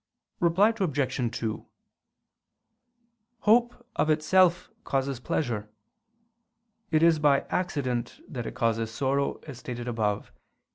Reply Obj. 2: Hope of itself causes pleasure; it is by accident that it causes sorrow, as stated above (Q.